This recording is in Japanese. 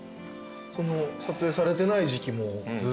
撮影されてない時期もずっと。